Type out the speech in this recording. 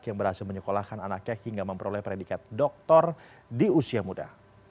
yang berhasil menyekolahkan anaknya hingga memperoleh predikat doktor di usia muda